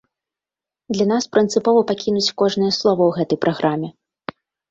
Для нас прынцыпова пакінуць кожнае слова ў гэтай праграме.